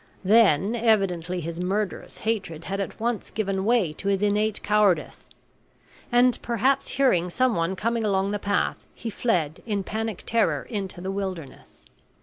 Then evidently his murderous hatred had at once given way to his innate cowardice; and, perhaps hearing some one coming along the path, he fled in panic terror into the wilderness.